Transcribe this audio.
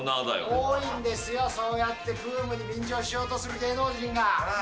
多いんですよ、そうやってブームに便乗しようとする芸能人が。